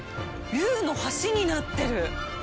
龍の橋になってる。